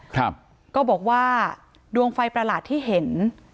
ครับก็บอกว่าดวงไฟประหลาดที่เห็น